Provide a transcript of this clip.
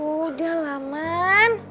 aduh udah laman